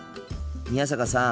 宮坂さん。